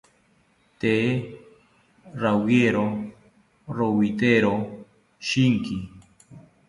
Tee rawiero rowitero shinki